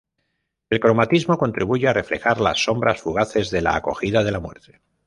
El cromatismo contribuye a reflejar las "sombras fugaces" de la acogida de la muerte.